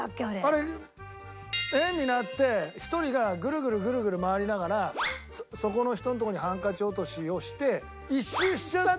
あれ円になって１人がぐるぐるぐるぐる周りながらそこの人のとこにハンカチ落としをして１周しちゃったら。